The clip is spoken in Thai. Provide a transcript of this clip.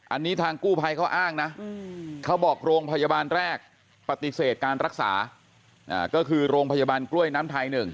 อันนี้ทางกู้ภัยเขาอ้างนะเขาบอกโรงพยาบาลแรกปฏิเสธการรักษาก็คือโรงพยาบาลกล้วยน้ำไทย๑